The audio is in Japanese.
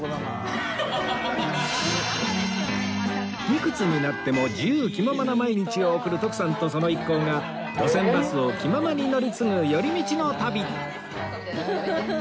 いくつになっても自由気ままな毎日を送る徳さんとその一行が路線バスを気ままに乗り継ぐ寄り道の旅